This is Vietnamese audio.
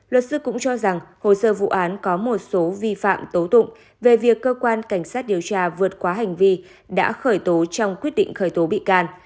luật sư cũng cho rằng hồ sơ vụ án có một số vi phạm tố tụng về việc cơ quan cảnh sát điều tra vượt quá hành vi đã khởi tố trong quyết định khởi tố bị can